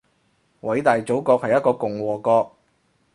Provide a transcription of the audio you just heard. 偉大祖國係一個共和國